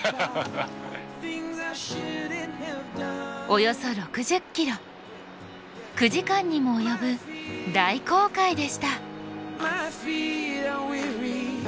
およそ６０ｋｍ９時間にも及ぶ大航海でした。